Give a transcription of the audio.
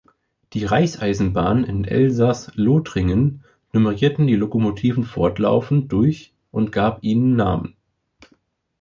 Die Reichseisenbahnen in Elsaß-Lothringen nummerierten die Lokomotiven fortlaufend durch und gab ihnen Namen.